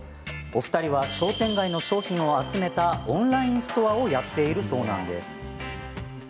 お二人は商店街の商品を集めたオンラインストアをやっているそうなんです。